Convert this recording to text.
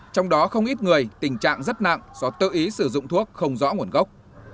trong đó không ít người tình trạng rất nặng do tự ý sử dụng thuốc không rõ nguồn gốc